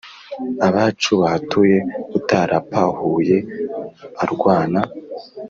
Abacu bahatuye Utaraphuye arwana